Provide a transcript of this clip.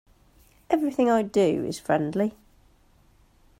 Everything I do is friendly.